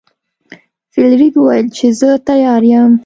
فلیریک وویل چې زه تیار یم.